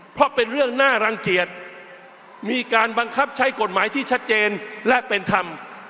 เพราะเป็นเรื่องน่ารังเกียจมีการบังคับใช้กฎหมายที่ชัดเจนและเป็นธรรม